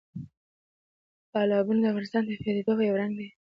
تالابونه د افغانستان د طبیعي پدیدو یو رنګ دی.